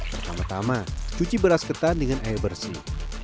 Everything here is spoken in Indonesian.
pertama tama cuci beras ketan dengan air bersih